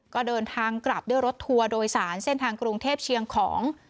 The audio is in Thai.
ก็เดินทางกลับด้วยรถทัวร์โดยสารเส้นทางกรุงเทพเชียงของ